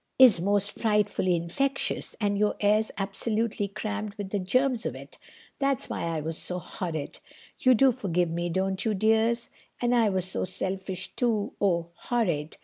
—is most frightfully infectious, and your air's absolutely crammed with the germs of it. That's why I was so horrid. You do forgive me, don't you, dears? And I was so selfish, too—oh, horrid.